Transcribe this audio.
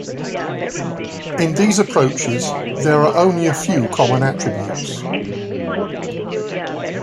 In these approaches, there are only a few common attributes.